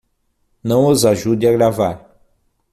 Não os ajude a gravar